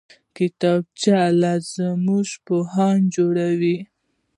کتابچه له موږ پوهان جوړوي